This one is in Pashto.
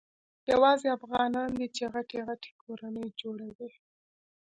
یوازي افغانان دي چي غټي غټي کورنۍ جوړوي.